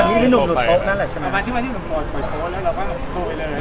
เมื่อพี่หนุ่มหลุดโต๊ะแล้วเราก็หลุดโต๊ะไปเลย